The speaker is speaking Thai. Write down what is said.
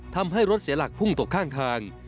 ทำให้รถเสียหลักพุ่งตกข้างทาง